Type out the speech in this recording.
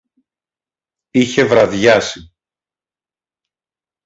Είχε βραδιάσει.